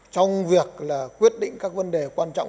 trong việc quyết định các vấn đề quan trọng